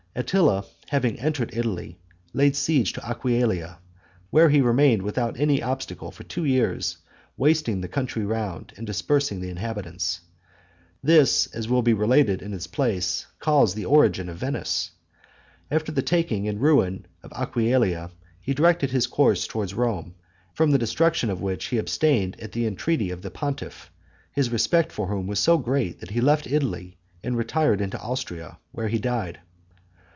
Attila, having entered Italy, laid siege to Aquileia, where he remained without any obstacle for two years, wasting the country round, and dispersing the inhabitants. This, as will be related in its place, caused the origin of Venice. After the taking and ruin of Aquileia, he directed his course towards Rome, from the destruction of which he abstained at the entreaty of the pontiff, his respect for whom was so great that he left Italy and retired into Austria, where he died.